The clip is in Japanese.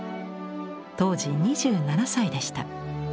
当時２７歳でした。